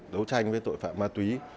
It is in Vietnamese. đấu tranh với tội phạm ma túy